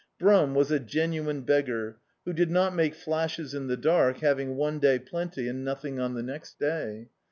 Brum was a genu ine beggar, who did not make flashes in the dark, having one day plenty and nothing on the next day.